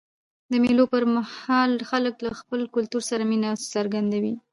د مېلو پر مهال خلک له خپل کلتور سره مینه څرګندوي.